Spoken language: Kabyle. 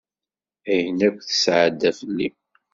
Ayen akk tesɛedda fell-i.